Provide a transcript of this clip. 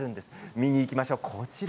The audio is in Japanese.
見に行きましょう。